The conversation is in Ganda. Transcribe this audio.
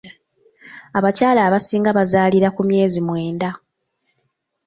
Abakyala abasinga bazaalira ku myezi mwenda.